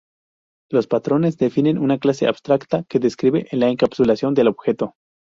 Los patrones definen una clase abstracta que describe la encapsulación del objeto.